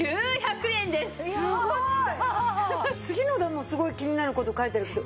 次のでもすごい気になる事書いてあるけど。